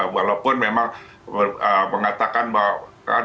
walaupun memang mengatakan bahwa perangnya di israel